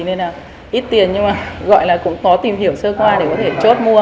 nên là ít tiền nhưng mà gọi là cũng có tìm hiểu sơ qua để có thể chốt mua